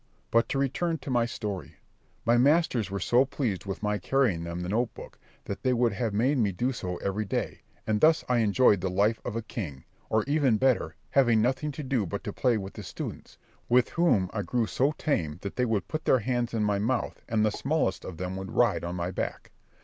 But to return to my story: my masters were so pleased with my carrying them the note book, that they would have me do so every day; and thus I enjoyed the life of a king, or even better, having nothing to do but to play with the students, with whom I grew so tame, that they would put their hands in my mouth, and the smallest of them would ride on my back.